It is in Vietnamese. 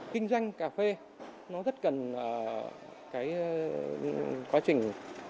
kinh doanh cà phê nó rất cần quá trình